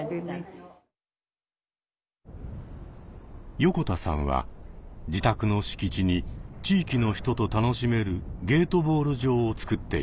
横田さんは自宅の敷地に地域の人と楽しめるゲートボール場をつくっていました。